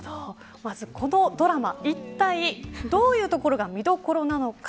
このドラマ、いったいどういうところが見どころなのか。